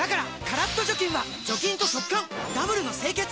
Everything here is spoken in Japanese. カラッと除菌は除菌と速乾ダブルの清潔！